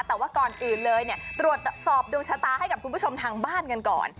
แต่ว่าก่อนอื่นเลยเนี่ยตรวจสอบดวงชะตาให้กับคุณผู้ชมทางบ้านกันก่อน